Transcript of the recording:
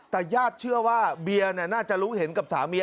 แต่ญาติเชื่อว่าเบียร์น่าจะรู้เห็นกับสามี